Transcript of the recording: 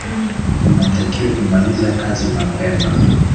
Unatakiwa kumaliza kazi mapema.